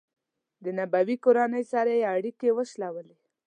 د نبوي کورنۍ سره یې اړیکې وشلولې.